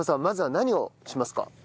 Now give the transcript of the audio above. まずは何をしますか？